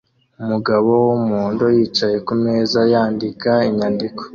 Umukobwa wumuhondo yicaye kumeza yandika inyandiko